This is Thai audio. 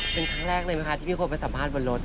เป็นครั้งแรกเลยไหมคะที่มีคนไปสัมภาษณ์บนรถ